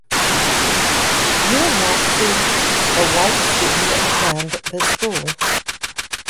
You will not see a white student attend the school.